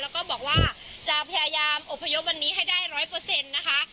แล้วก็บอกว่าจะพยายามอบพยพวันนี้ให้ได้๑๐๐นะคะ